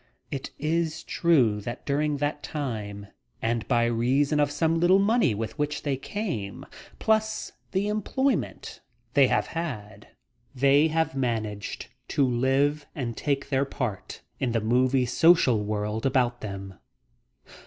It is true that during that time, and by reason of some little money with which they came, plus the employment they have had, they have managed to live and take their part in the movie social world about them.